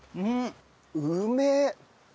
うめえ！